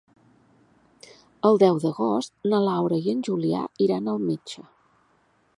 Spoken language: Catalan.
El deu d'agost na Laura i en Julià iran al metge.